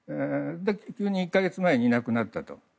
急に１か月前にいなくなったと。